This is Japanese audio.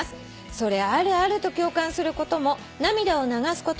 「それあるあると共感することも涙を流すこともあります」